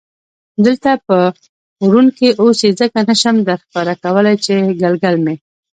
دلته په ورون کې، اوس یې ځکه نه شم درښکاره کولای چې ګلګل مې.